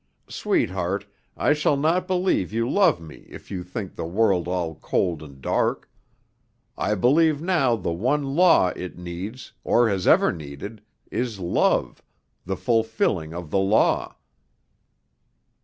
Sweetheart, I shall not believe you love me if you think the world all cold and dark. I believe now the one law it needs, or has ever needed, is love, the fulfilling of the law."